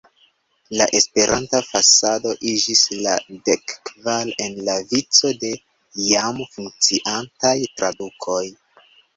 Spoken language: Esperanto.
La Esperanta fasado iĝis la dek-kvara en la vico de jam funkciantaj tradukoj.